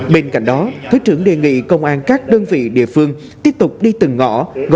bên cạnh đó thế trưởng đề nghị công an các đơn vị địa phương tiếp tục đi từng ngõ gó cửa từng nhà